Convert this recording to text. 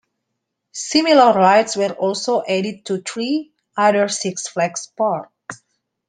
Similar rides were also added to three other Six Flags parks.